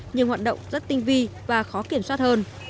nhưng hoạt động rất tinh vi và khó kiểm soát hơn